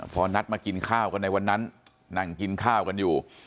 พอนัดมากินข้าวกันในวันนั้นนั่งกินข้าวกันอยู่